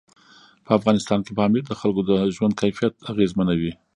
په افغانستان کې پامیر د خلکو د ژوند کیفیت اغېزمنوي.